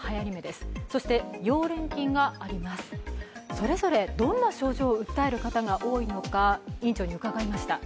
それぞれどんな症状を訴える方が多いのか院長に伺いました。